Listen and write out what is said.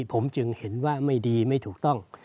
ผมจึงเห็นว่าไม่ดีไม่ถูกต้อง